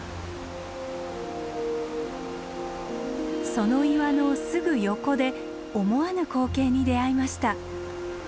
その岩のすぐ横で思わぬ光景に出会いました。ね！